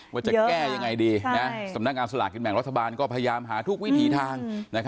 ว่าจะแก้ยังไงดีสำนักงานสลากกินแบ่งรัฐบาลก็พยายามหาทุกวิถีทาง